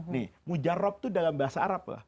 nih mujarob itu dalam bahasa arab lah